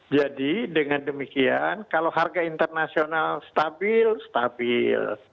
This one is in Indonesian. jadi dengan demikian kalau harga internasional stabil stabil